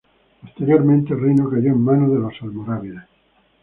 Posteriormente el reino cayó en manos de los almorávides.